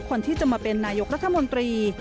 คนที่จะมาเป็นนายกรัฐมนตรี